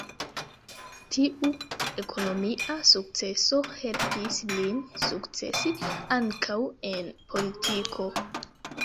Tiu ekonomia sukceso helpis lin sukcesi ankaŭ en politiko.